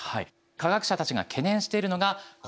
科学者たちが懸念しているのがこちらです。